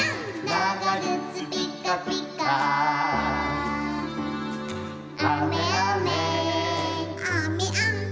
「ながぐつピッカピッカ」「あめあめ」あめあめ。